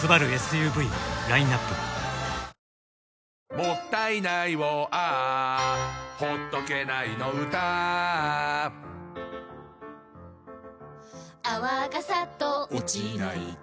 「もったいないをＡｈ」「ほっとけないの唄Ａｈ」「泡がサッと落ちないと」